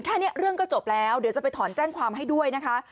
แค่นี้เรื่องก็จบแล้วเดี๋ยวจะไปถอนแจ้งความให้ด้วยนะคะ